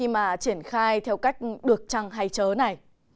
mà triển khai theo cách được trăng hay chớ này